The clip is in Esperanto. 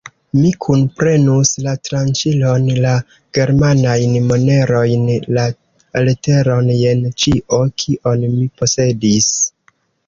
Mi kunprenus: la tranĉilon, la germanajn monerojn, la leteron, jen ĉio, kion mi posedis.